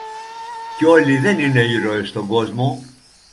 Και όλοι δεν είναι ήρωες στον κόσμο.